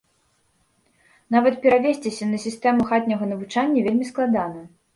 Нават перавесціся на сістэму хатняга навучання вельмі складана.